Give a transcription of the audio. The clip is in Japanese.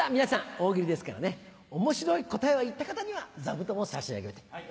大喜利ですからね面白い答えを言った方には座布団を差し上げると。